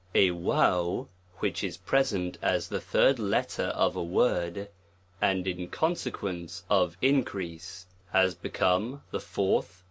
A j which is present as the third letter of a word, and in consequence of increase has become the fourth.